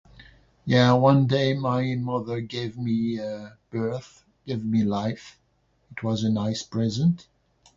Yeah, one day my mother gave me, uh, birth, give me life. It was a nice present.